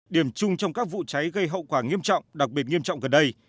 điểm chung trong các vụ cháy gây hậu quả nghiêm trọng đặc biệt nghiêm trọng gần đây